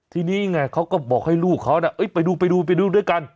ทีนี้ไงเขาก็บอกให้ลูกเขาน่ะเอ๊ยไปดูไปดูไปดูด้วยกัน